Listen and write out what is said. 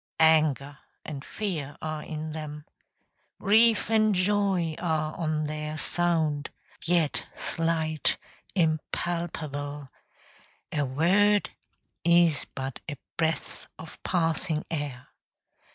Anger and fear are in them; grief and joy Are on their sound; yet slight, impalpable: A word is but a breath of passing air.